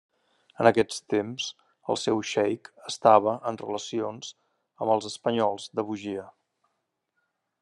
En aquest temps el seu xeic estava en relacions amb els espanyols de Bugia.